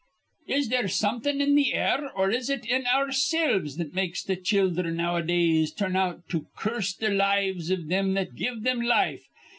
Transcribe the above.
Is there somethin' in th' air or is it in oursilves that makes th' childher nowadays turn out to curse th' lives iv thim that give thim life?